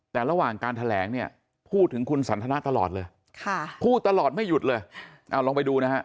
แต่ระหว่างการแถลง